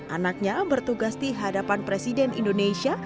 anaknya bertugas di hadapan presiden indonesia